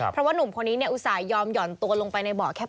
เพราะว่านุ่มคนนี้อุตส่าหยอมห่อนตัวลงไปในเบาะแคบ